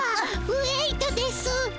ウェイトです！